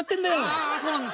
「ああそうなんですか」。